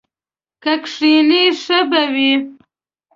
که کښېنې ښه به وي!